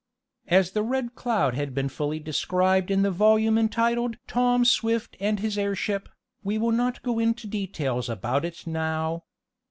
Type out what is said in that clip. As the Red Cloud has been fully described in the volume entitled "Tom Swift and His Airship," we will not go into details about it now.